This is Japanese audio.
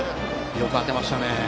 よく当てましたね。